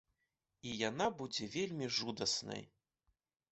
І яна будзе вельмі жудаснай!